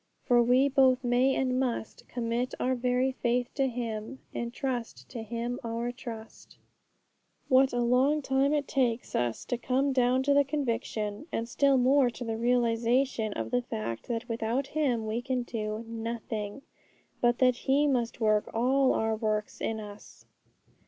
For we both may and must Commit our very faith to Him, Entrust to him our trust. What a long time it takes us to come down to the conviction, and still more to the realization of the fact that without Him we can do nothing, but that He must work all our works in us!